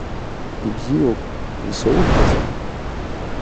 Ибзиоуп, исоуҳәозеи?